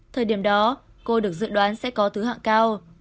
thời điểm đó cô được dự đoán sẽ có thứ hạng cao